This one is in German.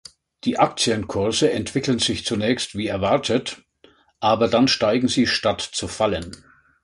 Die Aktienkurse entwickeln sich zunächst wie erwartet, aber dann steigen sie statt zu fallen.